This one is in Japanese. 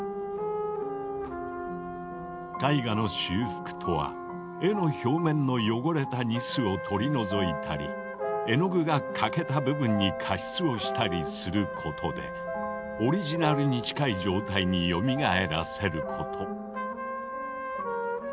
絵画の修復とは絵の表面の汚れたニスを取り除いたり絵の具が欠けた部分に加筆をしたりすることでオリジナルに近い状態によみがえらせること。